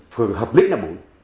phường hợp lĩnh là bốn